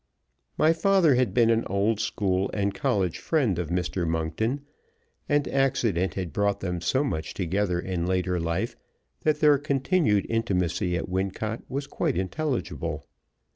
My father had been an old school and college friend of Mr. Monkton, and accident had brought them so much together in later life that their continued intimacy at Wincot was quite intelligible.